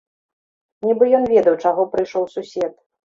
Нібы ён ведаў, чаго прыйшоў сусед.